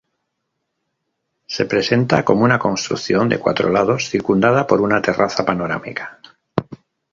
Se presenta como una construcción de cuatro lados circundada por una terraza panorámica.